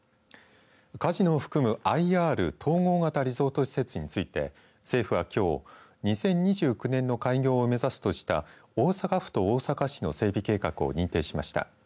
カジノを含むＩＲ統合型リゾート施設について政府は、きょう２０２９年の開業を目指すとした大阪府と大阪市の整備計画を認定しました。